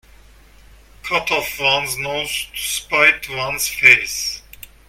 Cut off one's nose to spite one's face.